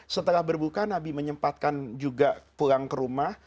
setelah berbuka nabi menyempatkan juga pulang ke rumah